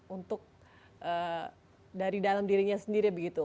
untuk dari dalam dirinya sendiri begitu